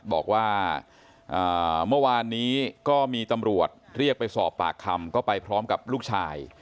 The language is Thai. บอกว่าเมื่อวานนี้ก็มีตำรวจเรียกไปสอบปากคำก็ไปพร้อมกับลูกชาย